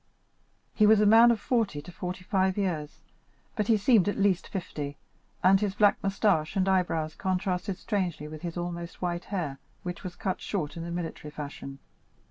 He was a man of forty to forty five years, but he seemed at least fifty, and his black moustache and eyebrows contrasted strangely with his almost white hair, which was cut short, in the military fashion.